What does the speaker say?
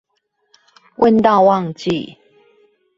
問到忘記